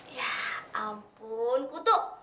ya ampun kutu